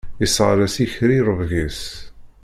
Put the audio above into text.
Yesseɣres yikerri rrebg-is.